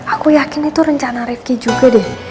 aku yakin itu rencana rifki juga deh